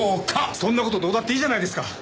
そんな事どうだっていいじゃないですか。